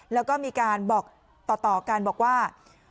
แล้วก็มีการบอกต่อกันบอกว่า